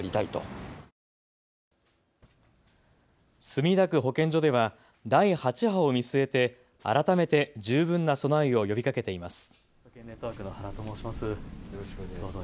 墨田区保健所では第８波を見据えて改めて十分な備えを呼びかけています。